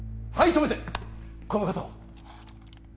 止めてこの方は？